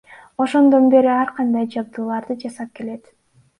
Ошондон бери ар кандай жабдууларды жасап келет.